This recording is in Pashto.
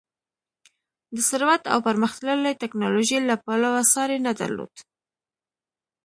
د ثروت او پرمختللې ټکنالوژۍ له پلوه ساری نه درلود.